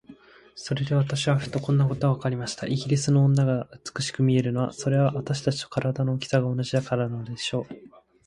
それで私はふと、こんなことがわかりました。イギリスの女が美しく見えるのは、それは私たちと身体の大きさが同じだからなのでしょう。